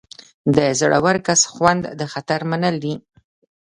د زړور کس خوند د خطر منل دي.